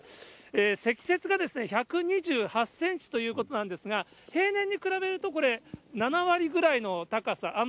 積雪が１２８センチということなんですが、平年に比べるとこれ、７割ぐらいの高さ。